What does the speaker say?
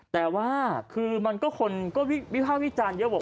แต่ว่าคือมันก็คนก็วิภาควิจารณ์เยอะบอก